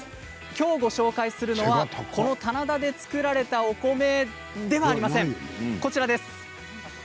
今日ご紹介するのはこの棚田で作られたお米ではありません。